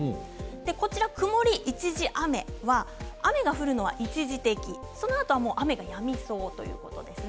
下の段は曇り一時雨雨が降るのは一時的そのあとは雨がやみそういうことです。